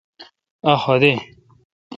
اؘ حد اؘئ۔